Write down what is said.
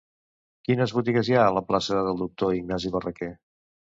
Quines botigues hi ha a la plaça del Doctor Ignasi Barraquer?